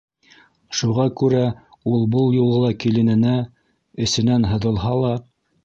Шуға күрә ул был юлы ла килененә, эсенән һыҙылһа ла: